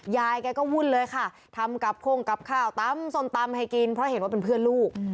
ยายแกก็วุ่นเลยค่ะทำกับโค้งกับข้าวตำส้มตำให้กินเพราะเห็นว่าเป็นเพื่อนลูก